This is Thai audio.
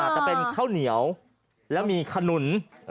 แต่เป็นข้าวเหนียวแล้วมีขนุน